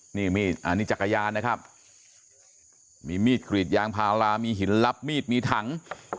นี่มีดอันนี้จักรยานนะครับมีมีดกรีดยางพารามีหินลับมีดมีถัง